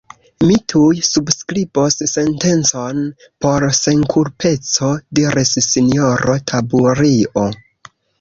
Mi tuj subskribos sentencon por senkulpeco, diris sinjoro Taburio.